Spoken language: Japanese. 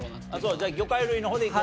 じゃあ魚介類の方でいく？